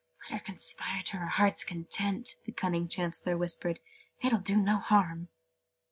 "Let her conspire to her heart's content!" the cunning Chancellor whispered. "It'll do no harm!"